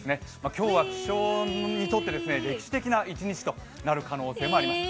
今日は気象にとって歴史的な一日となる可能性があります。